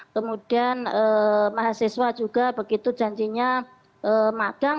kemudian mahasiswa juga begitu janjinya magang